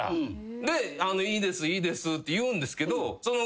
で「いいです。いいです」って言うんですけどうちの子は。